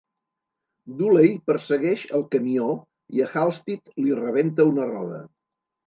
Dooley persegueix el camió i a Halstead li rebenta una roda.